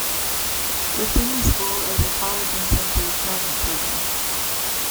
Within the school is a College Incentive Magnet Program.